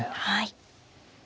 はい。